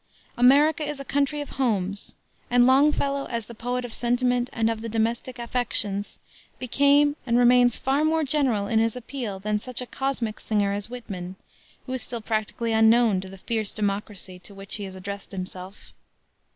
America is a country of homes, and Longfellow, as the poet of sentiment and of the domestic affections, became and remains far more general in his appeal than such a "cosmic" singer as Whitman, who is still practically unknown to the "fierce democracy" to which he has addressed himself.